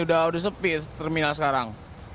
udah sepi terminal sekarang